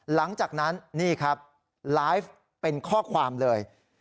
หลังจากนั้นนี่ครับไลฟ์เป็นข้อความเลย